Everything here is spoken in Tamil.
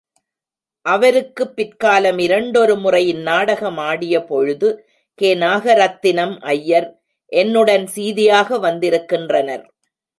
அவருக்குப் பிற்காலம் இரண்டொரு முறை இந்நாடகம் ஆடியபொழுது கே. நாக ரத்தினம் ஐயர் என்னுடன் சீதையாக வந்திருக்கின்றனர்.